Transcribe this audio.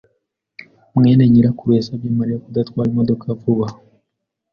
mwene nyirakuru yasabye Mariya kudatwara imodoka vuba.